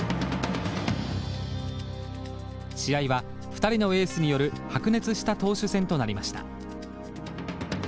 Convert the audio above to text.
試合は２人のエースによる白熱した投手戦となりました。